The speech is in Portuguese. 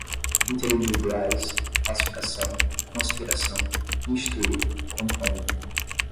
interindividuais, pacificação, conspiração, instituído, compondo